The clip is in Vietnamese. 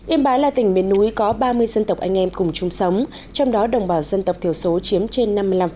yên bái là tỉnh miền núi có ba mươi dân tộc anh em cùng chung sống trong đó đồng bào dân tộc thiểu số chiếm trên năm mươi năm